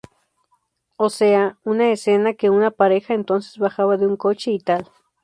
O sea, una escena que una pareja entonces bajaba de un coche y tal.